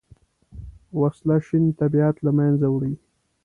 وسله شین طبیعت له منځه وړي